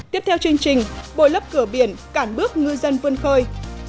tiếp theo chương trình bồi lấp cửa biển cản bước ngư dân vươn khơi